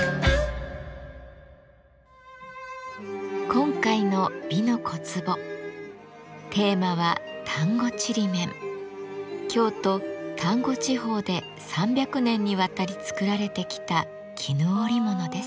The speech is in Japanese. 今回の「美の小壺」テーマは京都丹後地方で３００年にわたり作られてきた絹織物です。